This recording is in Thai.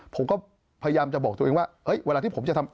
ผมก็พยายามจะบอกตัวเองว่าเฮ้ยเวลาที่ผมจะทำ